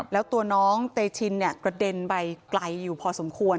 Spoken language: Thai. แล้วตัวน้องเตชินกระเด็นไปไกลอยู่พอสมควร